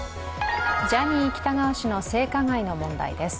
ジャニー喜多川氏の性加害の問題です。